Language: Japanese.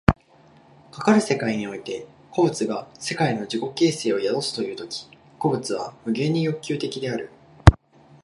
かかる世界において個物が世界の自己形成を宿すという時、個物は無限に欲求的である。